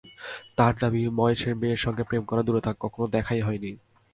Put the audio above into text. তাঁর দাবি, ময়েসের মেয়ের সঙ্গে প্রেম করা দূরে থাক, কখনো দেখাই হয়নি।